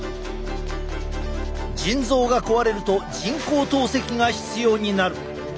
腎臓が壊れると人工透析が必要になる。